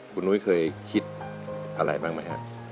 คุณนุ้ยเคยคิดอะไรบ้างไหมฮะ